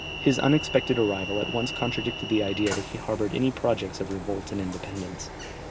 His unexpected arrival at once contradicted the idea that he harboured any projects of revolt and independence.